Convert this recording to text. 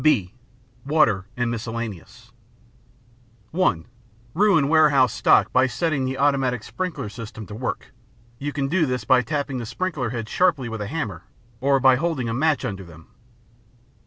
(b) Water and miscellaneous (1) Ruin warehouse stock by setting the automatic sprinkler system to work. You can do this by tapping the sprinkler heads sharply with a hammer or by holding a match under them.